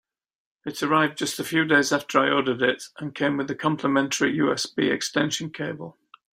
It arrived just a few days after I ordered it, and came with a complementary USB extension cable.